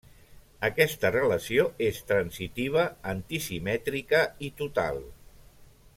Aquesta relació és transitiva, antisimètrica i total.